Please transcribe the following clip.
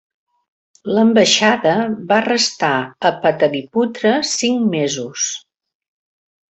L'ambaixada va restar a Pataliputra cinc mesos.